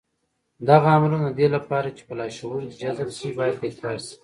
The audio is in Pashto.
دغه امرونه د دې لپاره چې په لاشعور کې جذب شي بايد تکرار شي.